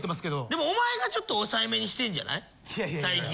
でもお前がちょっと抑えめにしてんじゃない最近？